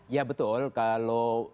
ya betul kalau